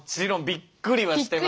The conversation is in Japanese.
びっくりはしてます。